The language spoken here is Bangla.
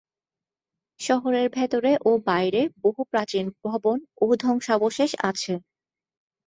শহরের ভেতরে ও বাইরে বহু প্রাচীন ভবন ও ধ্বংসাবশেষ আছে।